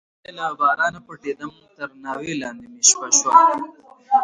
متل دی: له بارانه پټېدم تر ناوې لاندې مې شپه شوه.